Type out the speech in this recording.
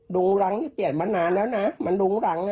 งรังนี่เปลี่ยนมานานแล้วนะมันรุงรัง